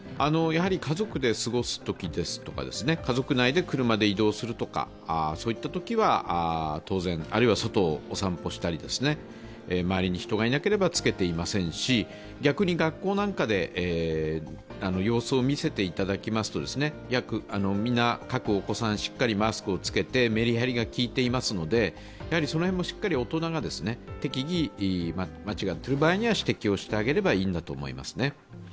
家族で過ごすときですとか家族内で車で移動するとかそういったときは、当然、あるいは外をお散歩したり周りに人がいなければ着けていませんし、逆に学校なんかで様子を見せていただきますとみんな各お子さん、しっかりマスクをつけてメリハリがきいていますのでその辺もしっかり大人が適宜間違っている場合には指摘をしてあげればいいんだと思います。